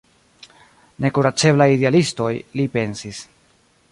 Nekuraceblaj idealistoj, li pensis.